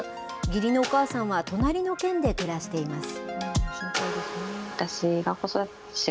義理のお母さんは隣の県で暮らしています。